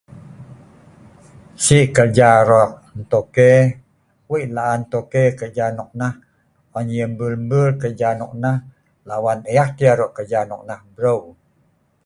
Sii kerja arok eek ngan toke, wei laan toke kerja noknah, an yah mbul mbul kerja anok nah, lak wan eek tah yah arok kerja nok nah breu.